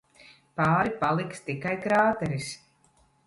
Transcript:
Pāri paliks tikai krāteris.